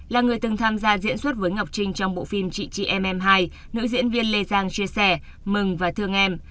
là người từng tham gia diễn xuất với ngọc trinh trong bộ phim chị chị m hai nữ diễn viên lê giang chia sẻ mừng và thương em